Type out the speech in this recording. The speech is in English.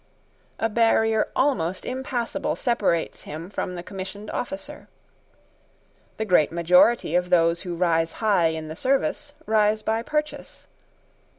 A barrier almost impassable separates him from the commissioned officer. The great majority of those who rise high in the service rise by purchase.